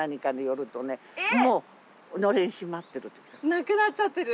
なくなっちゃってる？